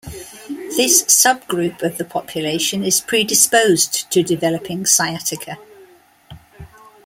This subgroup of the population is predisposed to developing sciatica.